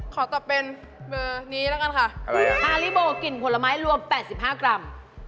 ขอตอบเป็นเบอร์นี้แล้วกันค่ะฮาริโบกลิ่นผลไม้รวม๘๕กรัม